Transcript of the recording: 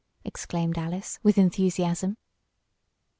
exclaimed Alice, with enthusiasm.